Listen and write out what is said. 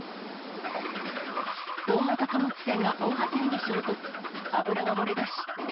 大型貨物船が防波堤に衝突。